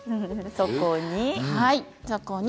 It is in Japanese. そこに。